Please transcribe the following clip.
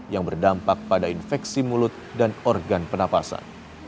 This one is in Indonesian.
yang berdampak pada infeksi mulut dan organ penapasan